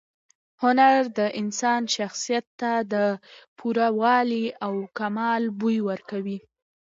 هنر د انسان شخصیت ته د پوره والي او کمال بوی ورکوي.